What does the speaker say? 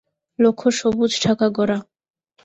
লক্ষ্য সবুজ ঢাকা গড়া।